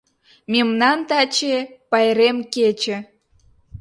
Мемнан таче пайрем кече